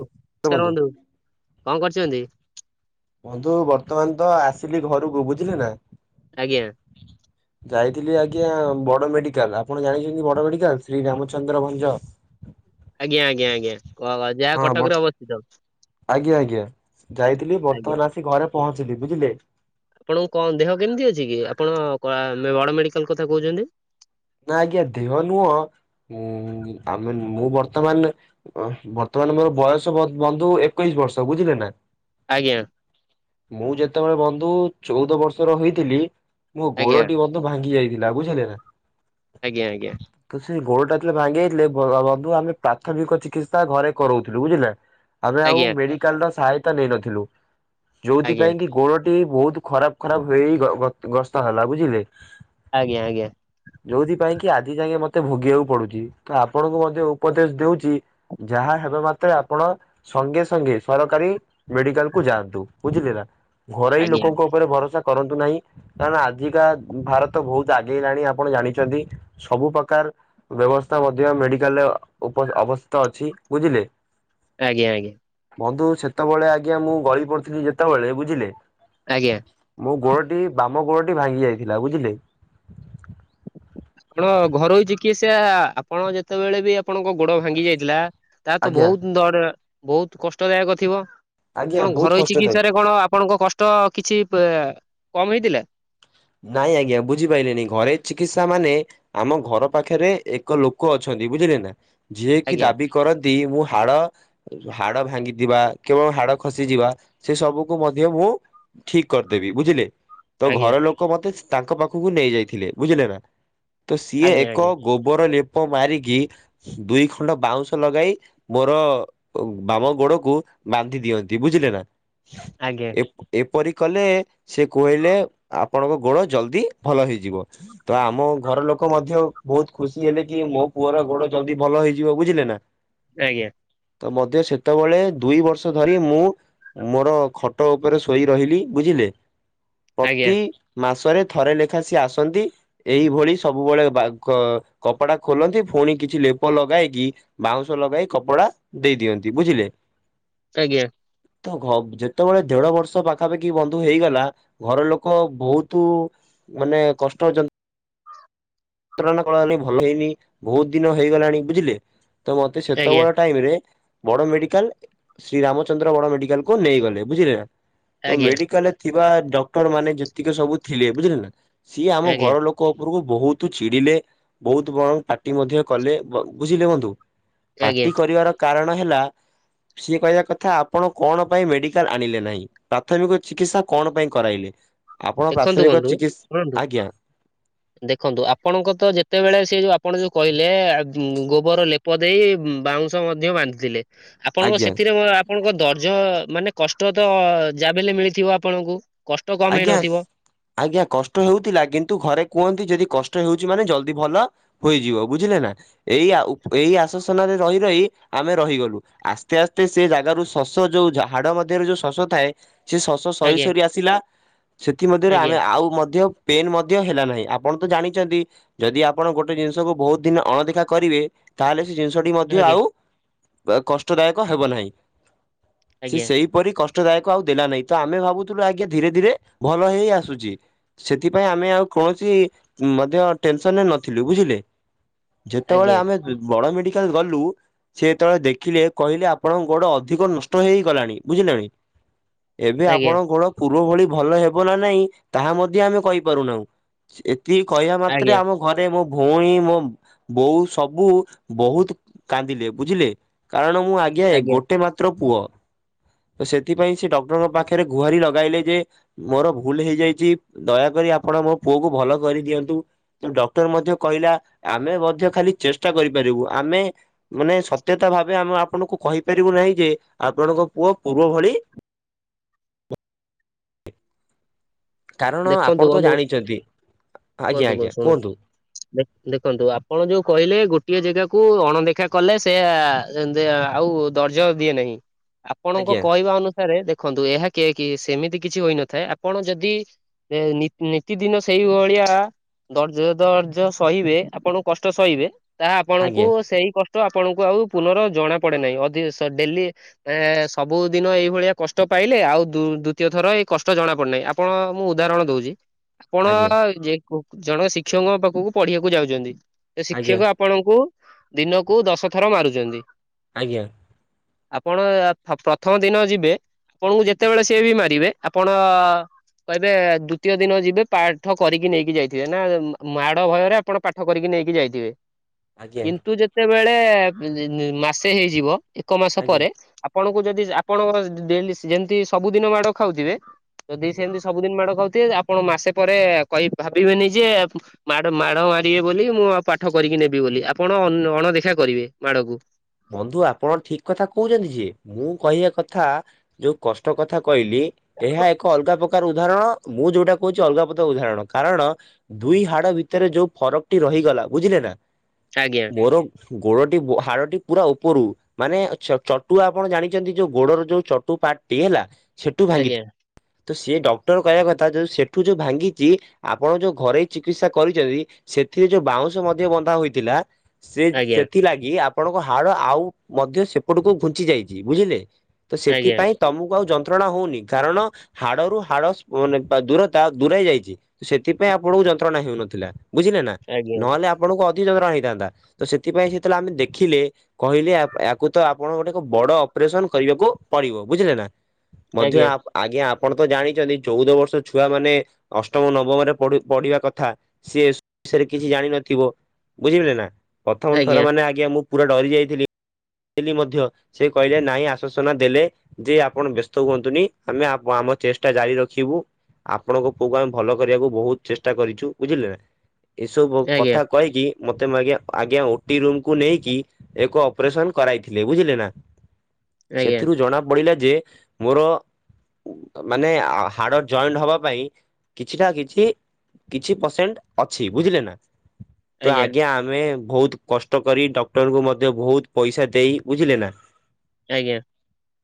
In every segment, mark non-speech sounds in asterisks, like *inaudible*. *unintelligible* ବନ୍ଧୁ କଣ କରୁଛନ୍ତି? ବନ୍ଧୁ ବର୍ତ୍ତମାନ ତ ଆସିଲି ଘରକୁ ବୁଝିଲି ନା। ଆଜ୍ଞା ଯାଇଥିଲି ଆ ଆଜ୍ଞା ବଡ଼ ମେଡିକାଲ। ଆପଣ ଜାଣିଛନ୍ତି ବଡ ମେଡିକାଲ ଶ୍ରୀ ରାମଚନ୍ଦ୍ର ଭଞ୍ଜ? ଆଜ୍ଞା ଆଜ୍ଞା ଆଜ୍ଞା କ ଯାହା ହଁ ବ କଟକ ରେ ଅବସ୍ଥିତ। ଆଜ୍ଞା ଆଜ୍ଞା ଯାଇଥିଲି ଆଜ୍ଞା। ବର୍ତ୍ତମାନ ଆସି ଘରେ ପହଞ୍ଚିଲି ବୁଝିଲେ। ଆପଣଙ୍କୁ କଣ ଦେହ କେମିତି ଅଛି କି ଆପଣ ବଡ଼ ମେଡିକାଲ କଥା କହୁଛନ୍ତି? ନା ଆଜ୍ଞା ଦେହ ନୁହଁ। ହଁ ଆମେ ମୁଁ ବର୍ତ୍ତମାନ ବର୍ତ୍ତମାନ ମୋର ବୟସ ବନ୍ଧୁ ଏକୋଇଶ ବର୍ଷ ବୁଝିଲେ ନା। ଆଜ୍ଞା ମୁଁ ଯେତେବେଳେ ବନ୍ଧୁ ଚଉଦ ବର୍ଷର ହେଇଥିଲି ମୋ ଆଜ୍ଞା। ଗୋଡ଼ଟି ବନ୍ଧୁ ଭାଙ୍ଗି ଯାଇଥିଲା ବୁଝିଲେ ନା? ଆଜ୍ଞା ଆଜ୍ଞା। ତ ସେ ଗୋଡ଼ ଟା ଥିଲେ ଭାଙ୍ଗିଥିଲେ ବନ୍ଧୁ ଆମେ ପ୍ରାଥମିକ ଚିକିତ୍ସା ଘରେ କରଉଥିଲୁ ବୁଝିଲେ। ଆମେ ଆଉ ଆଜ୍ଞା ମେଡିକାଲ ର ସହାୟତା ନେଇନଥିଲୁ ଆଜ୍ଞା ଯୋଉଁଥିପାଇଁ କି ଗୋଡ଼ ବହୁତ ଖରାପ ଖରାପ ହେଇ ଗସ୍ତ ହେଲା ବୁଝିଲେ? ଆଜ୍ଞା ଆଜ୍ଞା। ଯୋଉଁଥିପାଇଁ କି ଆଜି ଯାକେ ମତେ ଭୋଗିବାକୁ ପଡୁଛି ତ ଆପଣଙ୍କୁ ମଧ୍ୟ ଉପଦେଶ ଦଉଛି ଯାହା ମାତ୍ରେ ଆପଣ ସଙ୍ଗେ ସଙ୍ଗେ ସରକାରୀ ମେଡିକାଲ କୁ ଯାଆନ୍ତୁ ବୁଝିଲେ ନା। ଘରୋଇ ଆଜ୍ଞା ଆଜ୍ଞା ଲୋକଙ୍କ ଉପରେ ଭରସା କରନ୍ତୁ ନାହିଁ। କାରଣ ଆଜିକା ଭାରତ ବହୁତ ଆଗେଇଲାଣି ଆପଣ ଜାଣି ଚନ୍ତି। ସବୁ ପ୍ରକାର ବ୍ୟବସ୍ଥା ମଧ୍ୟ ମେଡିକାଲରେ ଅବସ୍ଥିତ ଅଛି ବୁଝିଲେ। ହ ଆଜ୍ଞା ଆଜ୍ଞା। ବନ୍ଧୁ ସେତେବେଳେ ଆଜ୍ଞା ମୁଁ ଗଳି ପଡ଼ିଥିଲି ଯେତେବେଳେ ବୁଝିଲେ? ଆଜ୍ଞା। ମୋ ଗୋଡ଼ଟି ବାମ ଗୋଡ଼ଟି ଭାଙ୍ଗି ଯାଇଥିଲା ବୁଝିଲେ? ଆପଣ ଘରୋଇ ଚିକିତ୍ସା ଆପଣ ଯେତେବେଳେ ବି ଆପଣଙ୍କ ଗୋଡ଼ ଭାଙ୍ଗି ଯାଇଥିଲା ତା ତ ଆଜ୍ଞା ବହୁତ ଦଡ ବହୁତ କଷ୍ଟଦାୟକ ଥିବ? ଆଜ୍ଞା ଆପଣ ବହୁତ ଘରୋଇ କଷ୍ଟଦାୟୀ। ଚିକିତ୍ସ ରେ କଣ ଆପଣଙ୍କ କଷ୍ଟ କିଛି କମ ହେଇଥିଲା? ନାଇଁ ଆଜ୍ଞା ବୁଝିପାଇଲେନି ଘରୋଇ ଚିକିତ୍ସା ମାନେ ଆମ ଘର ପାଖରେ ଏକ ଲୋକ ଅଛନ୍ତି। ବୁଝିଲେ ନା ଯିଏ କି ଆଜ୍ଞା ଦାବି କରନ୍ତି ମୁଁ ହାଡ଼ ହାଡ଼ ଭାଙ୍ଗିଥିବା କେବଳ ହାଡ଼ ଖସିଯିବା ସେ ସବୁକୁ ମଧ୍ୟ ମୁଁ ଠିକ କରିଦେବି ବୁଝିଲେ? ତ ଆଜ୍ଞା ଘର ଲୋକ ମତେ ତାଙ୍କ ପାଖକୁ ନେଇ ଯାଇଥିଲେ ବୁଝିଲେ ନା? ତ ସିଏ ଆଜ୍ଞା ଏକ ଆଜ୍ଞା ଗୋବର ଲେପ ପ ମାରିକି ଦୁଇ ଖଣ୍ଡ ବାଉଁଶ ଲଗାଇ ମୋର ବାମ ଗୋଡ଼କୁ ବାନ୍ଧି ଦିଅନ୍ତି ବୁଝିଲେ ନା ଆଜ୍ଞା ଏପରି କଲେ ସେ କହିଲେ ଆ ଆପଣ ଗୋଡ ଜଲଦି ଭଲ ହେଇଯିବ ତ ଆମ ଘର ଲୋକ ମଧ୍ୟ ବହୁତ ଖୁସି ହେଲେ କି ମୋ ପୁଅର ଗୋଡ ଜଲ୍ଦି ଭଲ ହେଇଯିବ ବୁଝିଲେ ନା ଆଜ୍ଞା। ତ ମଧ୍ୟ ସେତେବେଳେ ଦୁଇ ବର୍ଷ ଧରି ମୁଁ ମୋର ଖଟ ଉପରେ ଶୋଇ ରହିଲି ବୁଝି ପଲେ ଆଜ୍ଞା ପ୍ରତି ମାସରେ ଥରେ ଲେଖା ସିଏ ଆସନ୍ତି। ଏଇଭଳି ସବୁବେଳେ ବାଘ କପଡା ଖୋଲନ୍ତି ଫୁଣି କିଛି ଲେପ ଲଗାଇକି ବାଉଁଶ ଲଗାଇ କପଡା ଦେଇ ଦିଅନ୍ତି ବୁଝିଲେ ଆଜ୍ଞା। ତ ଘ ଯେତେବେଳେ ଦେଢ ବର୍ଷ ପାଖାପାଖି ବନ୍ଧୁ ହେଇଗଲା ଘର ଲୋକ ବହୁତ ତୁ ମାନେ କଷ୍ଟ ଜ୍ ନ୍ତ୍ରଣା କଳଲେ ଭଲ ହେଇନି ବହୁତ ଦିନ ହେଇଗଲାଣି ବୁଝିଲେ ତ ମତେ ଆଜ୍ଞା ସେତେବେଳେ ଟାଇମ ରେ ବଡ ମେଡିକାଲ ଶ୍ରୀ ରାମଚନ୍ଦ୍ର ବଡ ମେଡିକାଲକୁୁ ନେଇଗଲେ ବୁଝିଲେ ନା ତ ଆଜ୍ଞା ମେଡିକାଲରେ ଥିବା ଡକ୍ଟର ମାନେ ଯେତିକି ସବୁ ଥିଲେ ବୁଝିଲେ ନା ସିଏ ଆମ ଆଜ୍ଞା ଘର ଲୋକ ଉପରକୁ ବହୁତ ତୁ ଚିଡିଲେ ବହୁତ ବରଂ ପାଟି ମଧ୍ୟ କଲେ ବୁଝିଲେ ବନ୍ଧୁ ଆଜ୍ଞା ପାର୍ଟି କରିବାର କାରଣ ହେଲା ସିଏ କହିବା କଥା ଆପଣ କଣ ପାଇଁ ମେଡିକାଲ ଆଣିଲେ ନାହିଁ। ପ୍ରାଥମିକ ଚିକିତ୍ସା କଣ ପାଇଁ କରାଇଲେ? ଆପଣ ଦେଖନ୍ତୁ ପ୍ରାଥମିକ ବନ୍ଧୁ ଚିକିତ୍ସ ଶୁଣନ୍ତୁ ଆଜ୍ଞା ଦେଖନ୍ତୁ ଆପ୍ ପଣଙ୍କ ତ ଯେତେବେଳେ ସେ ଯୋଉ ଆପଣ ଯୋଉ କହିଲେ ଗୋବର ଲେପ ଦେଇ ବାଉଁଶ ମଧ୍ୟ ବା ବାନ୍ଧି ଥିଲେ ଆପଣଙ୍କ ଆଜ୍ଞା ସେଥିରେ ଆପଣଙ୍କ ଦର୍ଜ ମାନେ କଷ୍ଟ ତ ଯା ଵି ହେଲେ ମିଳିଥିବ ଆପଣଙ୍କୁ କଷ୍ଟ କମ ହେଇ ଆଜ୍ଞା ନଥି ଆଜ୍ଞା କଷ୍ଟ ହେଉଥିଲା କିନ୍ତୁ ଘରେ କୁହନ୍ତି ଯଦି କଷ୍ ଷ୍ଟ ହେଉଛି ମାନେ ଜଲଦି ଭଲ ହୋଇଯିବ ବୁଝିଲେ ନା ଏଇ ଏଇ ଉପ୍ ଆଶ୍ୱାସନାରେ ରହି ରହି ଆମେ ରହିଗଲୁ ଆସ୍ତେ ଆସ୍ତେ ସେ ଜାଗାରୁ ଶସ ଯୋଉ ହାଡ ମଧ୍ୟରେ ଯୋଉ ଶସ ଥାଏ ସେ ଶଶ ସରି ଆଜ୍ଞା ସରି ଆସିଲା ସେଥି ମଧ୍ୟରେ ଆମେ ଆଜ୍ଞା ଆଉ ମଧ୍ୟ ପେନ ମଧ୍ୟ ହେଲ ନାହିଁ। ଆପଣ ତ ଜାଣିଛନ୍ତି ଯଦି ଆପଣ ଗୋଟେ ଜିନିଷକୁ ବହୁତ ଦିନ ଅଣଦେଖା କରିବେ ତାହେଲେ ସେ ଜିନିଷଟି ମଧ୍ୟ ଆଜ୍ଞା ଆଉ କଷ୍ଟଦାୟକ ହେବ ନାହିଁ। ସେ ଆଜ୍ଞା ସେହିପରି କଷ୍ଟଦାୟକ ଆଉ ଦେଲା ନାହିଁ ତ ଆମେ ଭାବୁଥିଲୁ ଆଗେ ଧୀରେ ଧୀରେ ଭଲ ହେଇ ଆସୁଚି ସେଥିପାଇଁ ଆମେ ଆଉ କୌଣସି ମଧ୍ୟ ଟେନ୍‌ସନ୍ ରେ ନଥିଲୁ ବୁଝିଲେ ଯେତେବେଳେ ଆଜ୍ଞା ଆମେ ବଡ଼ ମେଡି କାଲ ଗଲୁ ସିଏ ଯେତୋବେଳେ ଦେଖିଲେ କହିଲେ ଆପଣଙ୍କ ଗୋଡ ଅଧିକ ନଷ୍ଟ ହେଇ ହେଇ ଗଲାଣି ବୁଝିଲେ ନା ନାହିଁ *inaudible* ଏବେ ଆଜ୍ଞା ଆପଣଙ୍କ ଗୋଡ ପୂର୍ବ ଭଳି ଭଲ ହେବ ନା ନାହିଁ। ତାହା ମଧ୍ୟ ଆମେ କହିପାରୁନାହୁଁ। ଏତିକି କହିବା ମାତ୍ରେ ଆଜ୍ଞା ଆମ ଘରେ ମୋ ଭୋଉଣୀ ମୋ ବୋଉ ସବୁ ବହୁତ କାନ୍ଦିଲେ ବୁଝିଲେ କାରଣ ମୁଁ ଆଜ୍ଞା ଗୋଟେ ମାତ୍ର ପୁଅ ତ ସେଥିପାଇଁ ସେ ଡକ୍ଟରଙ୍କ ପାଖରେ ଗୁହାର ଲଗେ ଇଲେ ଯେ ମୋର ଭୁଲ ହେଇଯାଇଚି ଦୟାକରି ଆପଣ ମୋ ପୁଅକୁ ଭଲ କରିଦିଅନ୍ତୁ। ଡକ୍ଟର ମଧ୍ୟ କହିଲା ଆମେ ମଧ୍ୟ ଖାଲି ଚେଷ୍ଟା କରିପାରିବୁ ଆମେ ମାନେ ସତ୍ୟତା ଭାବେ ଆମେ ଆପଣଙ୍କୁ କହିପାରିବୁ ନାହିଁ ଯେ ଆପଣଙ୍କ ପୁଅ ପୂର୍ବ ଭଳି କାରଣ ଦେଖନ୍ତୁ ଆପଣ ତ ବନ୍ଧୁ ଜାଣିଚନ୍ତି। କୁହନ୍ତୁ କୁହନ୍ତୁ ଶୁଣ ଦେଖନ୍ତୁ ଆପଣ ଯୋଉ କହିଲେ ଗୋଟିଏ ଜାଗାକୁ ଅଣଦେଖା କଲେ ସେ ଏ ଆ ଆଉ ଦର୍ଜ ଦିଏ ନାହିଁ। ଆପଣଙ୍କ ଆଜ୍ଞା କହିବା ଅନୁସାରେ ଦେଖନ୍ତୁ ଏହା କେ କିଏ କି ସେମିତି କିଛି ହୋଇନଥାଏ ଆପଣ ଯଦି ଏ ନି ନିତିଦିନ ସେଇଭଳିଆ ଦର୍ଜ ଦର୍ଜ ସହିବେ ଆପଣଙ୍କୁ କଷ୍ଟ ସହିବେ ତାହା ଆପଣଙ୍କୁ ଆଜ୍ଞା ସେଇ କଷ୍ଟ ଆପଣଙ୍କୁ ଆଉ ପୁନର ଜଣା ପଡେ ନାହିଁ। ଅଧ ଡେଲି ସବୁଦିନ ଏଇଭଳିଆ କଷ୍ଟ ପାଇଲେ ଆଉ ଦୁ ଦୁତୀୟ ଥର ଏ କଷ୍ଟ ଜଣାପଡ଼ୁନେଇ, ଆପଣ ମୁଁ ଉଦାହରଣ ଦୋଉଚି ଆପଣ ଆଜ୍ଞା ଯେ ଜଣେ ଶିକ୍ଷକଙ୍କ ପାଖୁକୁ ପଢ଼ିବାକୁ ଯାଉଚନ୍ତି। ସେ ଆଜ୍ଞା ଶିକ୍ଷକ ଆପଣଙ୍କୁ ଦିନକୁ ଦଶ ଥର ମାରୁଚନ୍ତି। ଆଜ୍ଞା। ଆପଣ ଆ ଫ ପ୍ରଥମ ଦିନ ଯିବେ। ଆପଣଙ୍କୁ ଯେତେବେଳେ ସିଏ ବି ମାରିବେ ଆପଣ କହି ବେ ଦୁତୀୟ ଦିନ ଯିବେ ପାଆଠ କରିକି ନେଇକି ଯାଇଥିବେ ନାଁ ମାଡ଼ ଭୟରେ ଆପଣ ପାଠ କରିକି ନେଇକି ଯା ଇଥିବେ। ଆଜ୍ଞା କିନ୍ତୁ ଯେତେବେଳେ‌ ଇ‌-ଇ ମାସେ ହେଇଯିବ ଏକ ମାସ ଆଜ୍ଞା ପରେ ଆ ଆପଣଙ୍କୁ ଯଦି ଆପଣଙ୍କର ଡେଲି ଯେମତି ସବୁଦିନ ମାଡ଼ ଖାଉଥିବେ ଯଦି ଆଜ୍ଞା ସେମତି ସବୁଦିନ ମାଡ଼ ଖାଉଥିବେ ଆପଣ ମାସେ ପରେ କହି ଭାବିବେନି ଯେ ମାଡ଼ ମାଡ଼ ମାରିବେ ବୋଲି ମୁଁ ମୁଁ ଆଉ ପାଠ କରିକି ନେବି ବୋଲି ଆପଣ ଅନ୍ ଅଣଦେଖା କରିବେ ମାଡ଼କୁ ବନ୍ଧୁ ଆପଣ ଠିକ୍ କଥା କୋହୁଚନ୍ତି ଯେ ମୁଁ କହିବା କଥା ଯୋଉ କଷ୍ଟ କଥା କହିଲି ଏହା ଏକ ଅଲଗା ପକାର ଉ ଦାହରଣ ମୁଁ ଯୋଉଟା କୋହୁଚି ଅଲଗା ପଦ ଉଦାହରଣ କାରଣ ଦୁଇ ହାଡ଼ ଭିତରେ ଯୋଉ ଫରକଟି ରହିଗ ଲା ବୁଝିଲେ ନାଁ? ଆଜ୍ଞା ମୋର ଗୋଡ଼ଟି ହାଡ଼ଟି ପୁରା ଓପରୁ ମାନେ ଚ ଚଟୁ ଆପଣ ଜାଣିଚନ୍ତି ଯୋଉ ଗୋଡ଼ର ଯୋଉ ଚଟୁ ପାର୍ଟଟି ହେଲା। ସେଟୁ ଭାଙ୍ଗି ଆଜ୍ଞା ତ ସିଏ ଡକ୍ଟର କହିବା କଥା ଯଦି ସେଠୁ ଯୋଉ ଭାଙ୍ଗିଚି ଆପଣ ଯୋଉ ଘରେ ଚିକିତ୍ସା କରିଚନ୍ତି ସେ ଥିଏ ଯୋଉ ବାଉଁଶ ମଧ୍ୟ ବନ୍ଧା ହୋଇଥିଲା ସେ ଆଜ୍ଞା ସେଥିଲାଗି ଆପଣଙ୍କ ହାଡ଼ ଆଉ ମଧ୍ୟ ସେପଟୁକୁ ଘୁଞ୍ଚି ଯାଇଚି। ବୁଝିଲେ? ତ ସେଥିପାଇଁ ତମୁକୁ ଆଉ ଯ ନ୍ତ୍ରଣା ହୋଉନି କାରଣ ହାଡ଼ରୁ ହାଡ଼ ସ୍ପୁନ୍ ରେ ଥିବା ଦୂରତା ଦୂରାଇ ଯାଇଚି। ସେଥିପାଇଁ ଆପଣଙ୍କୁ ଯନ୍ତ୍ରଣା ହେଉ ନଥିଲା। ବୁଝିଲେ ନାଁ? ଆଜ୍ଞା ନହେଲେ ଆପଣଙ୍କୁ ଅଧିକ ଯନ୍ତ୍ରଣା ହେଇଥାନ୍ତା ତ ସେଥିପାଇଁ ଯେତେଲେ ଆମେ ଦେଖିଲେ କହିଲି ଆ ୟାକୁ ତ ଆପଣ ଗୋଟେ କ ବଡ଼ ଅପରେସନ୍ କରିବାକୁ ପଡ଼ିବ ବୁଝିଲେ ନାଁ? ମଧ୍ୟ ଆଜ୍ଞା ଆ ଆଗିଆଁ ଆପଣ ତ ଜାଣିଚନ୍ତି ଚୋଉଦ ବର୍ଷ ଛୁଆ ମାନେ ଅଷ୍ଟମ ନବମରେ ପଢ଼ୁ ପଢ଼ିବା କଥା ସିଏ ଷେରେ କିଛି ଜାଣିନଥିବ ବୁଝିଲେ ନାଁ ପ୍ରଥମ ଥର ମାନେ ଆଜ୍ଞା ମୁଁ ପୁରା ଡରି ଯାଇଥିଲି। ହିଲି ମଧ୍ୟ ସେ କହିଲେ ନାଇଁ ଆଶ୍ଵସନା ଦେଲେ ଯେ ଆପଣ ବ୍ୟସ୍ତ ହୁଅନ୍ତୁନି ଆମେ ଆ ଗୁଆ ଆମ ଚେଷ୍ଟା ଜାରି ରଖିବୁ ଆପଣଙ୍କ ପୁଅକୁ ଆମେ ଭଲ କରିବାକୁ ବୋହୁତ ଚେଷ୍ଟା କରିଚୁ। ବୁଝିଲେ ନାଁ? ଏସବୁ ଆଜ୍ଞା କଥା କହିକି ମତେ ମ ଆଜ୍ଞା, ଆଜ୍ଞା ଓଟି ରୁମ୍ କୁୁ ନେଇକି ଏକ ଅପରେସନ୍ କରାଇଥିଲେ। ବୁଝିଲେ ନାଁ? ଆଜ୍ଞା ସେଥିରୁ ଜଣା ପଡ଼ିଲା ଯେ ମୋର ଉ ମାନେ ଆ ହାଡ଼ ଜଏଣ୍ଟ ହବା ପାଇଁ କିଛିଟା କିଛି କିଛି ପରସେଣ୍ଟ୍ ଅଛି ବୁଝିଲେ ନାଁ? ତ ଆଜ୍ଞା ଆମେ ଭୋଉତ କଷ୍ଟ କରି ଡ କ୍ଟର ମଧ୍ୟ ଭୋଉତ ପଇସା ଦେଇ ବୁଝିଲେ ନା? ଆଜ୍ଞା।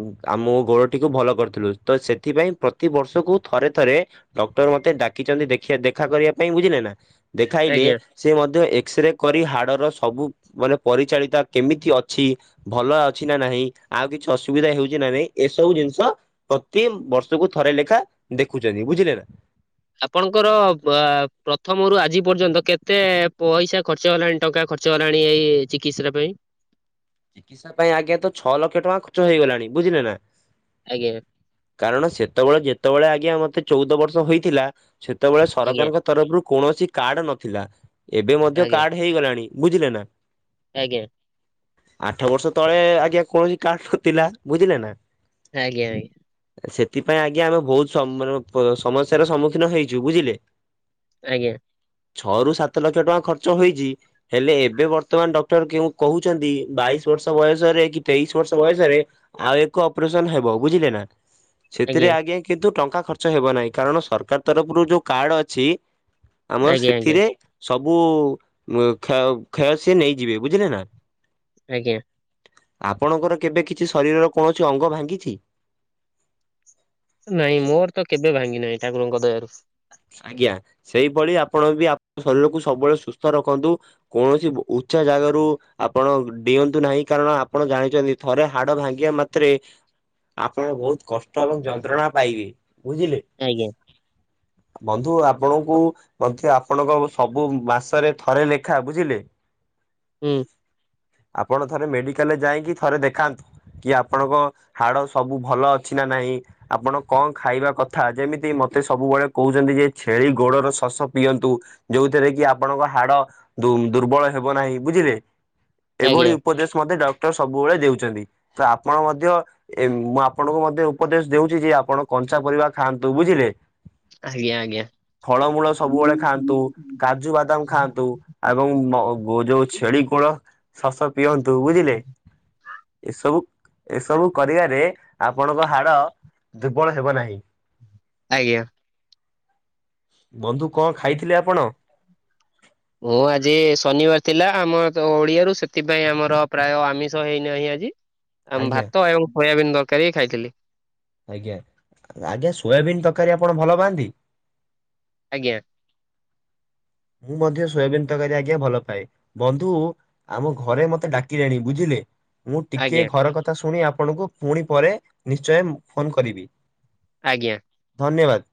ଉ ଆମ ଗୋଡ଼ଟିକୁ ଭଲ କରିଥିଲୁ ତ ସେଥିପାଇଁ ପ୍ରତିିବର୍ଷକୁ ଥରେ ଥରେ ଡକ୍ଟର ମ ମତେ ଡାକିଚନ୍ତି ଦେଖିଆ ଦେଖା କରିବା ପାଇଁ ବୁଝିଲେ ନାଁ? ଦେଖାଇଲେ ଆଜ୍ଞା ସେ ମଧ୍ୟ ଏକ୍ସରେ କରି ହାଡ଼ର ସବୁ ମାନେ ପରିଚାଳିତା କେମିତି ଅଛି ଭଲ ଅଛି ନାଁ ନାହିଁ ଆଉ କିଛି ଅସୁବିଧା ହେଉଚି ନାଁ ନାହିଁ ଏସବୁ ଜ ଇଂଷ ପ୍ରତି ବର୍ଷକୁ ଥରେ ଲେଖା ଦେଖୁଚନ୍ତି। ବୁଝିଲେ ନାଁ? ଆପଣଙ୍କର ବା ପ୍ରଥମରୁ ଆଜି ପର୍ଯ୍ୟନ୍ତ କେତେ ପଇସା ଖର୍ଚ୍ଚ ହେଲାଣି ଟଙ୍କା ଖ ଅର୍ଚ୍ଚ ହେଲାଣି ଏଇ ଚିକିତ୍ସାଟା ପାଇଁ। ଚିକିତ୍ସା ପାଇଁ ଆଜ୍ଞା ତ ଛଅ ଲକ୍ଷ ଟଙ୍କା ଖର୍ଚ୍ଚ ହେଇଗଲାଣି। ବୁଝିଲେ ନାଁ? ଆଜ୍ଞା କାରଣ ସେତବେଳେ ଯେତବେଳେ ଆଜ୍ଞା ମତେ ଚୋଉଦ ବର୍ଷ ହେଇଥିଲା ସେତବେଳେ ଆଜ୍ଞା ସରକାରଙ୍କ ତରଫରୁ କୌଣସି କାର୍ଡ଼୍ ନଥିଲା। ଏବେ ମଧ୍ୟ ଆଜ୍ଞା କାର୍ଡ଼୍ ହେଇଗଲାଣି। ବୁଝିଲେ ନାଁ? ଆଜ୍ଞା। ଆଠ ବର୍ଷ ତଳେ ଆଜ୍ଞା କୌଣସି କାର୍ଡ ନଥିଲା ବୁଝିଲେ ନା? ଆଜ୍ଞା ଆଜ୍ଞା। ସେଥିପାଇଁ ଆଜ୍ଞା ଆମେ ବହୁତ ସମ୍ ସମସ୍ୟାର ସମ୍ମୁଖୀନ ହେଇଛୁ ବୁଝିଲେ। ଆଜ୍ଞା। ଛଅ ରୁ ସାତ ଲକ୍ଷ ଟଙ୍କା ଖର୍ଚ୍ଚ ହେଇଛି ହେଲେ ଏବେ ବର୍ତ୍ତମାନ ଡକ୍ଟର କେଉଁ କହୁ ଚନ୍ତି ବାଇଶ ବର୍ଷ ବୟସରେ କି ତେଇଶ ବର୍ଷ ବୟସରେ ଆଉ ଏକ ଅପରେସନ ହେବ ବୁଝିଲେ ନା। ସେଥିରେ ଆଜ୍ଞା କିନ୍ତୁ ଟଙ୍କା ଖର୍ଚ୍ଚ ହେବ ନାହିଁ କାରଣ ସରକାର ତରଫରୁ ଯୋଉ କାର୍ଡ ଅଛି। ଆମର ଆଜ୍ଞା ଆଜ୍ଞା ସେଥିରେ ସବୁ କ୍ଷୟ କ୍ଷୟ ସିଏ ନେଇଯିବେ ବୁଝିଲେ ନା? ଆଜ୍ଞା। ଆପଣଙ୍କର କେବେ କିଛି ଶରୀରର କୌଣସି ଅଙ୍ଗ ଭାଙ୍ଗିଛି? ନାଇଁ ମୋର ତ କେବେ ଭାଙ୍ଗି ନାହିଁ ଠାକୁରଙ୍କ ଦୟାରୁ। ଆଜ୍ଞା ସେଇଭଳି ଆପଣ ବି ଆ ଶରୀରକୁ ସବୁବେଳେ ସୁସ୍ଥ ରଖନ୍ତୁ କୌଣସି ଉଚ୍ଚା ଜାଗାରୁ ଆପଣ ଡିଅନ୍ତୁ ନାହିଁ କାରଣ ଆପଣ ଜାଣିଛନ୍ତି ଥରେ ହାଡ ଭାଙ୍ଗିବା ମାତ୍ରେ ଆପଣ ବହୁତ କଷ୍ଟ ଏବଂ ଯନ୍ତ୍ରଣା ପାଇବେ ବୁଝିଲେ? ଆଜ୍ଞା ବନ୍ଧୁ ଆପଣଙ୍କୁ ମଧ୍ୟ ଆପଣଙ୍କ ସବୁ ମାସରେ ଥରେ ଲେଖା ବୁଝିଲେ ହ *inaudible* ହୁଁ। ଆପଣ ଥରେ ମେଡିକାଲରେ ଯାଇକି ଥରେ ଦେଖାନ୍ତୁ। କି ଆପଣଙ୍କ ହାଡ ସବୁ ଭଲ ଅଛି ନା ନାହିଁ ଆପଣ କଣ ଖାଇବା କଥା ଯେମିତି ମ ତେ ସବୁବେଳେ କହୁଛନ୍ତି ଯେ ଛେଳି ଗୋଡର ଶସ ପିଅନ୍ତୁ ଯୋଉଥିରେ କି ଆପଣଙ୍କ ହାଡ ଦୁର୍ବଳ ହେ ହେବ ନାହିଁ ବୁଝିଲେ ଏଭଳି ଆଜ୍ଞା ଉପଦେଶ ମତେ ଡ ଟର ସବୁବେଳେ ଦଉଛନ୍ତି ତ ଆପଣ ମଧ୍ୟ ମୁଁ ଆପଣଙ୍କୁ ମଧ୍ୟ ଉପଦେଶ ଦଉଛି ଯେ ଆପଣ କଞ୍ଚା ପରିବା ଖାଆନ୍ତୁ ବୁଝିଲେ? ଆଜ୍ଞା ଆଜ୍ଞା। ଫଳମୂଳ ସବୁବେଳେ ଖାଆନ୍ତୁ କାଜୁ ବାଦାମ ଖାଆନ୍ତୁ ଏବଂ ମ ଗୋ ଛି ଛେଳି ଗୋଡ଼ ଶାସ ପିଅନ୍ତୁ ବୁଝିଲେ ଏସବୁ ଏସବୁ କରିବାରେ ଆପଣଙ୍କ ହାଡ ଦୁର୍ବଳ ହେବ ନାହିଁ। ଆଜ୍ଞା। ବନ୍ଧୁ କଣ ଖାଇଥିଲେ ଆପଣ? ମୁଁ ଆଜି ଶନିବାର ଥିଲା ଆମର ଓଡିଆରୁ ସେଥିପାଇଁ ଆମର ପ୍ରାୟ ଆମିଷ ହେଇନାହିଁ ଆଜି। ଆମ ଆଜ୍ଞା ଭାତ ଏବଂ ସୋୟାବିନ୍ ଦରକାର ହ ଖାଇଥିଲି। ଆଜ୍ଞା ଆଜ୍ଞା ସୋୟାବିନ୍ ତରକାରୀ ଆପଣ ଭଲ ପାଆନ୍ତି? ଆଜ୍ଞା। ମୁଁ ମଧ୍ୟ ସୋୟବିିନ ତରକାରୀ ଆଜ୍ଞା ଭଲ ପାାଏ ବନ୍ଧୁ ଆମ ଘରେ ମତେ ଡାକିଲେଣି ବୁଝିଲେ। ମୁଁ ଟିକେ ଆଜ୍ଞା ଘର କଥା ଶୁଣି ଆପଣଙ୍କୁ ପୁଣି ପରେ ନିଶ୍ଚୟ ଫୋନ କରିବି। ଆଜ୍ଞା। ଧନ୍ୟବାଦ।